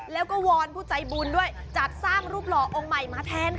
แล้วก็วอนผู้ใจบุญด้วยจัดสร้างรูปหล่อองค์ใหม่มาแทนค่ะ